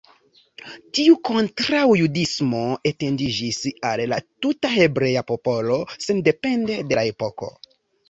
Tiu kontraŭjudismo etendiĝis al la tuta hebrea popolo sendepende de la epoko.